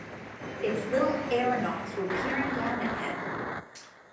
Its little aeronauts were peering down at him.